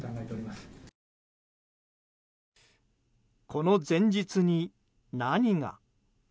この前日に何が。